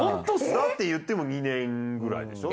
だって言っても２年くらいでしょ？